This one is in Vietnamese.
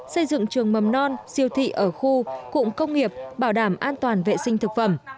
xây dựng trường mầm non siêu thị ở khu cụm công nghiệp bảo đảm an toàn vệ sinh thực phẩm